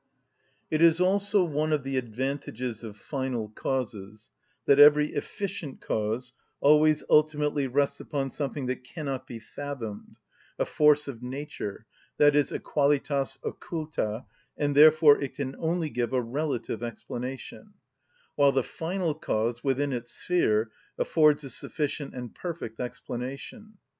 It is also one of the advantages of final causes that every efficient cause always ultimately rests upon something that cannot be fathomed, a force of nature, i.e., a qualitas occulta, and, therefore, it can only give a relative explanation; while the final cause within its sphere affords a sufficient and perfect explanation.